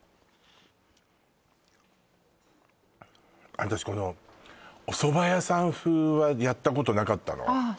私このおそば屋さん風はやったことなかったのああ